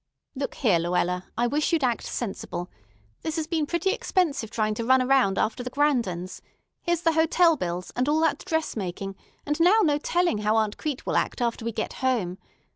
"Look here, Luella; I wish you'd act sensible. This has been pretty expensive trying to run around after the Grandons. Here's the hotel bills, and all that dress making, and now no telling how Aunt Crete will act after we get home.